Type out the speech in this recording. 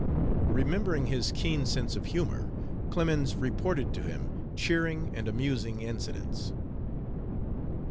Remembering his keen sense of humor, Clemens reported to him cheering and amusing incidents.